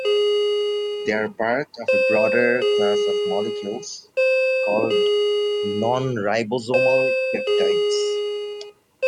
They are part of a broader class of molecules called nonribosomal peptides.